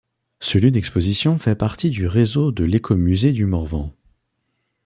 Ce lieu d'exposition fait partie du réseau de l'Écomusée du Morvan.